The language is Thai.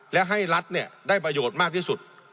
และให้รัฐได้ประโยชน์มากที่สุด